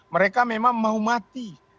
mereka memang mau mati